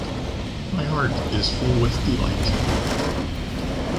My heart is full with delight.